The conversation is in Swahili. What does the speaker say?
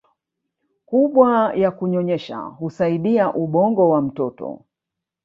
kubwa ya kunyonyesha husaidia ubongo wa mtoto